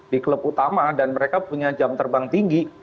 di klub utama dan mereka punya jam terbang tinggi